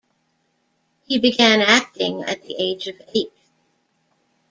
He began acting at the age of eight.